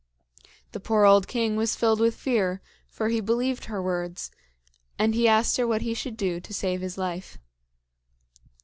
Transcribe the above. The poor old king was filled with fear, for he believed her words; and he asked her what he should do to save his life.